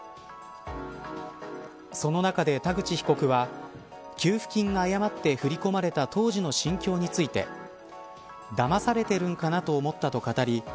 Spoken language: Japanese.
その中で田口被告は給付金が誤って振り込まれた当時の心境についてだまされてるんかなと思ったと語り